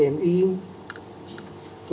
dengan bersama sama tni